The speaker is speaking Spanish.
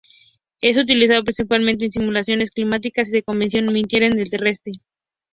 Es utilizado principalmente en simulaciones climáticas y de convección en el interior terrestre.